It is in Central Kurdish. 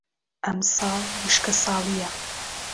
ئەم ساڵ وشکە ساڵییە.